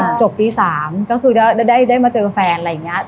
อ่าจบปี๓ก็คือจะได้มาเจอแฟนอะไรไง